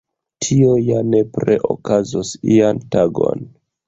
Tio ja nepre okazos ian tagon.